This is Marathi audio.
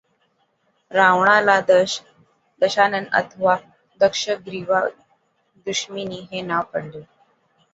रावणाला दशानन अथवा दशग्रीव्हा दशमुखी हे नांव पडले होते.